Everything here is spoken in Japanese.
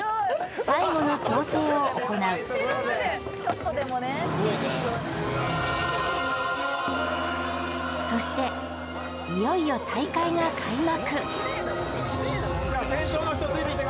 最後の調整を行うそしていよいよ大会が開幕